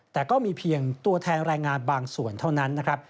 แต่ก็มีเพียงตัวแทนแรงงานบางส่วนเท่านั้นนะครับ